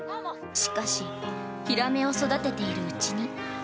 しかし、ヒラメを育てているうちに。